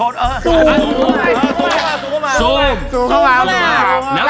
ซูมเข้ามา